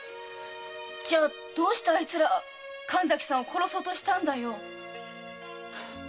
じゃあどうしてあいつら神崎さんを殺そうとしたんだよ？